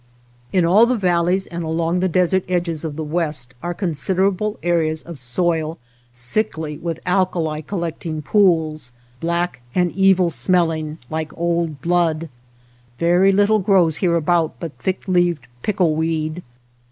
In all the valleys and along the desert edges of the west are considerable areas of soil sickly with alkali collecting pools, black and evil smelling like old blood. Very little grows hereabout but thick leaved pickle weed.